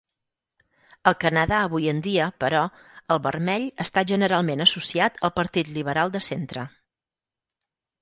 Al Canadà avui en dia, però, el vermell està generalment associat al Partit Liberal de centre.